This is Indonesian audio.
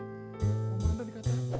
apa orang tadi kata